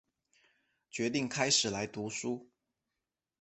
决定开始来读书